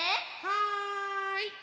はい。